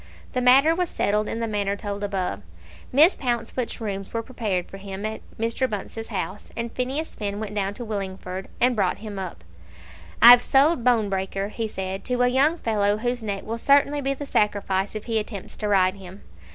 The matter was settled in the manner told above. Miss Pouncefoot's rooms were prepared for him at Mr. Bunce's house, and Phineas Finn went down to Willingford and brought him up. "I've sold Bonebreaker," he said, "to a young fellow whose neck will certainly be the sacrifice if he attempts to ride him.